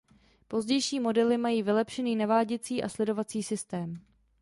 Pozdější modely mají vylepšený naváděcí a sledovací systém.